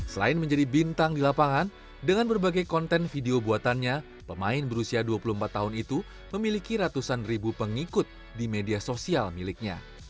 selain menjadi bintang di lapangan dengan berbagai konten video buatannya pemain berusia dua puluh empat tahun itu memiliki ratusan ribu pengikut di media sosial miliknya